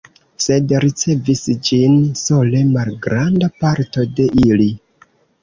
Sed ricevis ĝin sole malgranda parto de ili.